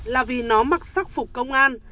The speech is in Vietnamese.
là vì nó mặc sắc phục công an